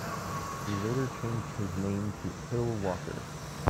He later changed his name to Hill-Walker.